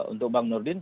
untuk bang nurdin